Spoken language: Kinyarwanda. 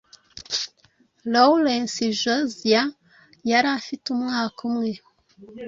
lawrence josiah, yari afite umwaka umwe